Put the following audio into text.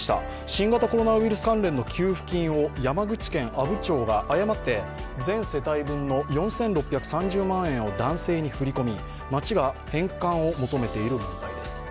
新型コロナウイルス関連の給付金を山口県阿武町が誤って誤って全世帯分の４６３０万円を男性に振り込み、町が返還を求めている問題です。